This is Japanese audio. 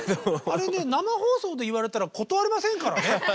あれね生放送で言われたら断れませんからね。